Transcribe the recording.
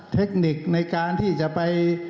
เทคนิคในการที่จะไป